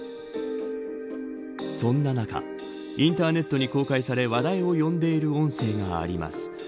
そんな中インターネットに公開され話題を呼んでいる音声があります。